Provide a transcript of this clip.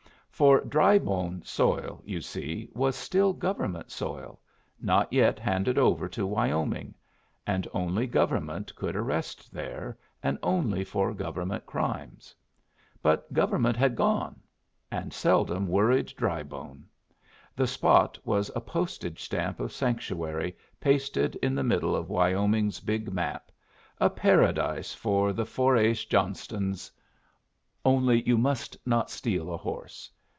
For Drybone soil, you see, was still government soil, not yet handed over to Wyoming; and only government could arrest there, and only for government crimes. But government had gone, and seldom worried Drybone! The spot was a postage stamp of sanctuary pasted in the middle of Wyoming's big map, a paradise for the Four ace Johnstons. Only, you must not steal a horse.